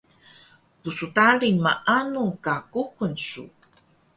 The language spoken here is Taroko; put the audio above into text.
Pstarin maanu ka kuxul su?